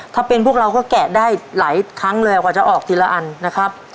ถ้าเป็นพวกเราก็แกะได้หลายครั้งเลยกว่าจะออกทีละอันนะครับ